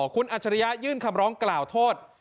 คุณอัจฉริยะยื่นคำร้องกล่าวโทษ